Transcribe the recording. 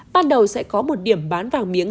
ban đầu sẽ có một điểm bán vàng miếng